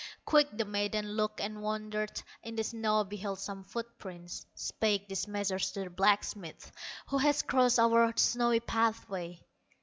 Quick the maiden looked and wondered, In the snow beheld some foot prints, Spake these measures to the blacksmith: "Who has crossed our snowy pathway?"